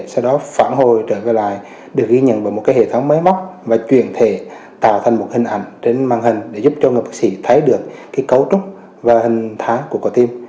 sau đó phản hồi trở về lại được ghi nhận bằng một cái hệ thống máy móc và chuyển thể tạo thành một hình ảnh trên màn hình để giúp cho người bác sĩ thấy được cái cấu trúc và hình thái của cơ tim